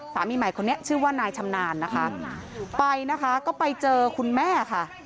สามีใหม่คนนี้ชื่อว่านายชำนาญนะคะไปนะคะก็ไปเจอคุณแม่ค่ะ